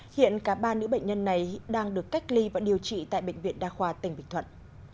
hiện cả ba nữ bệnh nhân này đang được cách ly và điều trị tại bệnh viện đa khoa tỉnh bình thuận